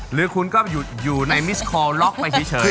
หรือคุณก็อยู่ในมิสคอลล็อกไปเฉย